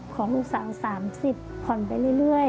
ของลูกสาว๓๐ผ่อนไปเรื่อย